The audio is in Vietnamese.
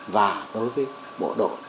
và đối với bộ đội